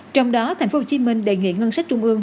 trong đó tp hcm đề nghị ngân sách trung ương